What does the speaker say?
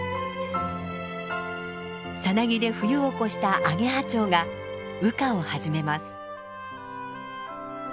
さなぎで冬を越したアゲハチョウが羽化を始めます。